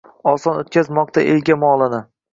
Oson o’tkazmoqda elga molini.